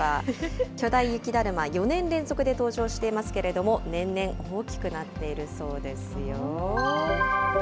巨大雪だるま、４年連続で登場していますけれども、年々大きくなっているそうですよ。